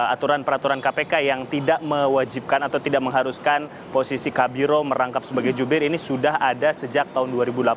aturan peraturan kpk yang tidak mewajibkan atau tidak mengharuskan posisi kabiro merangkap sebagai jubir ini sudah ada sejak tahun dua ribu delapan belas